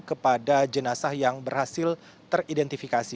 kepada jenazah yang berhasil teridentifikasi